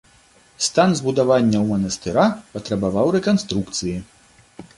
Стан збудаванняў манастыра патрабаваў рэканструкцыі.